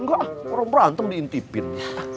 orang berantem diinvite